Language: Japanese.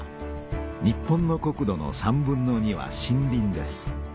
日本の国土の３分の２は森林です。